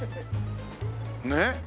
ねっ？